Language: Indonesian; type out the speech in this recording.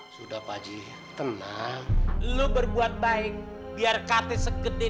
kupingannya jadi gatel